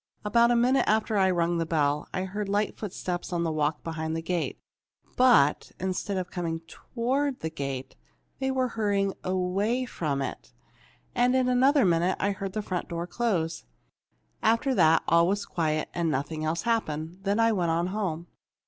About a minute after I'd rung the bell, I heard light footsteps on the walk behind the gate. But, instead of coming toward the gate, they were hurrying away from it; and in another minute I heard the front door close. After that it was all quiet, and nothing else happened. Then I went on home."